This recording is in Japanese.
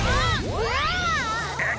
うわ！